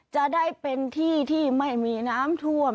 จะได้เป็นที่ที่ไม่มีน้ำท่วม